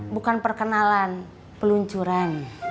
bukan perkenalan peluncuran